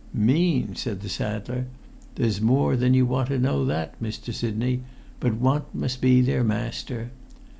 [Pg 8]"Mean?" said the saddler; "there's more than you want to know that, Mr. Sidney, but want must be their master.